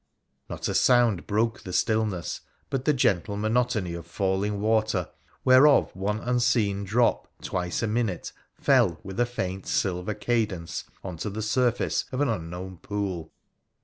Not a sound broke the stillness but the gentle monotony of falling water, whereof one unseen drop twice a minute fell with a faint silver cadence on to the surface of an unknown pool.